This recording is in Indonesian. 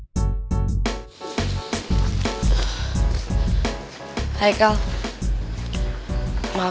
bisa juga tapi kayak gimana ya